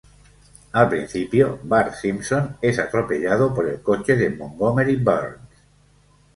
Al principio, Bart Simpson es atropellado por el coche de Montgomery Burns.